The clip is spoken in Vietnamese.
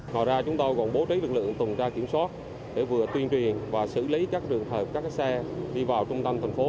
hồi ra chúng tôi còn bố trí lực lượng tùm ra kiểm soát để vừa tuyên truyền và xử lý các đường hợp các xe đi vào trung tâm thành phố